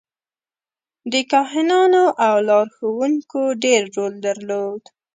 د کاهنانو او لارښوونکو ډېر رول درلود.